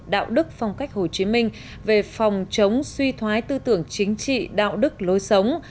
đạo đức phong cách hồ chí minh về phòng chống suy thoái tư tưởng chính trị đạo đức lối sống